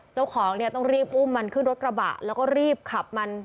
เจ้าของเนี่ยต้องรีบอุ้มมันขึ้นรถกระบะแล้วก็รีบขับมัน